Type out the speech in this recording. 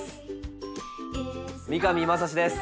三上真史です。